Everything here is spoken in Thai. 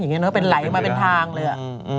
อย่างนี้เนอะเป็นไหลมาเป็นทางเลย